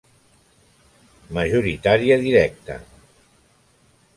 Majoritària Directa.